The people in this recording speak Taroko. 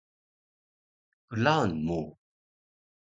klaun mu